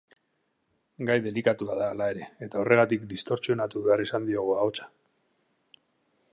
Gai delikatua da hala ere, eta horregatik distortsionatu behar izan diogu ahotsa.